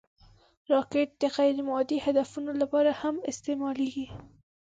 راکټ د غیر مادي هدفونو لپاره هم استعمالېږي